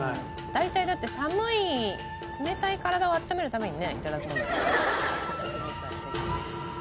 大体だって寒い冷たい体を温めるためにね頂くものですから。